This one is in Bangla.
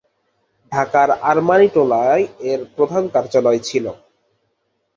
ঢাকার আরমানিটোলায় এর প্রধান কার্যালয় ছিল।